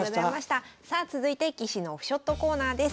さあ続いて棋士のオフショットコーナーです。